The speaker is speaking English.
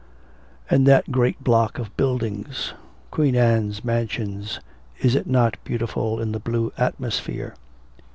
'And that great block of buildings, Queen Anne's Mansions, is it not beautiful in the blue atmosphere?